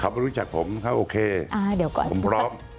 เขามารู้จักผมเขาโอเคผมพร้อม